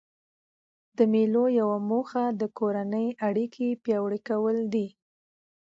د مېلو یوه موخه د کورنۍ اړیکي پیاوړي کول دي.